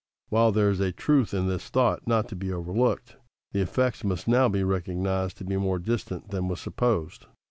While there is a truth in this thought not to be overlooked, the effects must now be recognized to be more distant than was supposed.